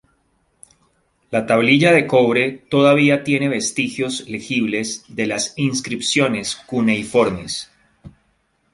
La tablilla de cobre todavía tiene vestigios legibles de las inscripciones cuneiformes.